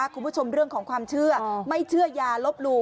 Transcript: คุณผู้ชมเรื่องของความเชื่อไม่เชื่ออย่าลบหลู่